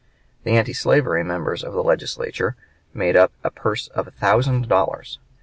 The antislavery members of the Legislature made up a purse of a thousand dollars.